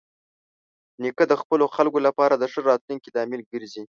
نیکه د خپلو خلکو لپاره د ښه راتلونکي لامل ګرځي.